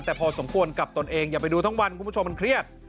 แต่พอสมควรกับตนเองอย่าไปดูทั้งวันคุณผู้ชมมันเครียด